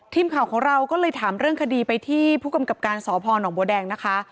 ทีมข่าวของเราก็เลยถามเรื่องคดีไปที่ผู้กำกับการสพนบัวแดงนะคะ